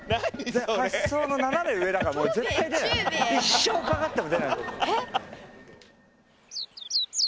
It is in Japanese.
発想の斜め上だから絶対出ない一生かかっても出ない。